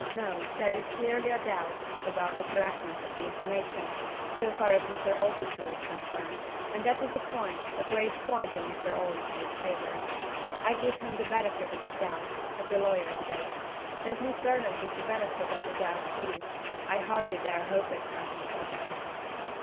No! There is clearly a doubt about the correctness of the information, so far as Mr. Aldersley is concerned and that is a point, a great point in Mr. Aldersley's favor. I give him the benefit of the doubt, as the lawyers say. Does Miss Burnham give him the benefit of the doubt too? I hardly dare hope it, I confess."